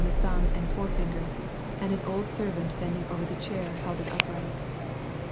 the thumb and forefinger, and an old servant bending over the chair held it upright.